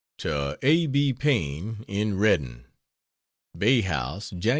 To A. B. Paine, in Redding: BAY HOUSE, Jan.